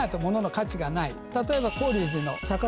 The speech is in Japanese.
例えば。